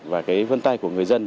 và cái vân tay của người dân